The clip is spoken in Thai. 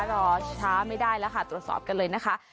รอช้าไม่ได้แล้วค่ะตรวจสอบกันเลยนะคะ